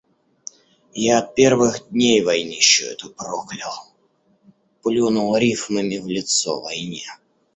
Я от первых дней войнищу эту проклял, плюнул рифмами в лицо войне.